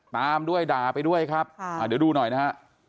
ตามด้วยด่าไปด้วยครับเดี๋ยวดูหน่อยนะฮะ